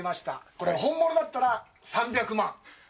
これ、本物だったら３００万。